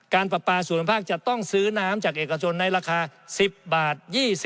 การปรับปราสูญภาพจะต้องซื้อน้ำจากเอกชนในราคา๑๐บาท๒๐